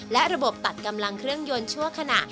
และระบบตัดกำลังเครื่องยนต์ชั่วขณะ